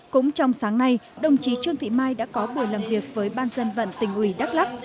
cũng trong sáng nay đồng chí trương thị mai đã có buổi làm việc với ban dân vận tỉnh ủy đắk lắc